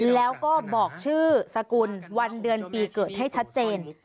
แล้วก็บอกชื่อสกุลวันเดือนปีเกิดให้ชัดเจน